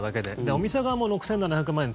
お店側も６７００万円